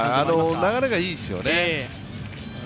流れがいいですよね。